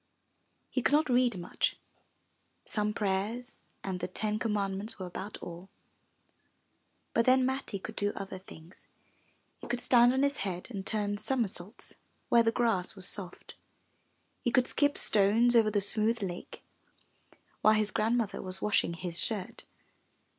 He could not read much — some prayers and the ten com mandments were about all. But then Matti could do other things. He could stand on his head and turn somersaults where the grass was soft. He could skip stones over the smooth lake, while his grandmother was washing his shirt.